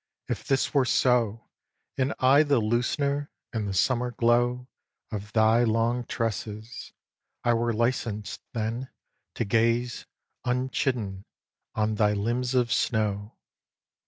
if this were so, And I the loosener, in the summer glow, Of thy long tresses! I were licensed then To gaze, unchidden, on thy limbs of snow.